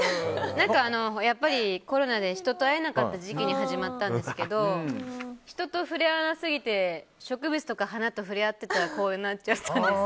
やっぱり、コロナで人と会えなかった時期に始まったんですけど人と触れ合わなさすぎて植物とか花とかと触れ合ってたらこうなっちゃったんです。